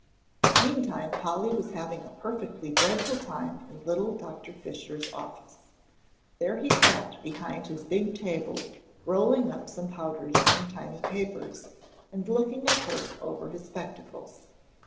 Meantime, Polly was having a perfectly dreadful time in little Doctor Fisher's office. There he sat behind his big table, rolling up some powders in tiny papers, and looking at her over his spectacles.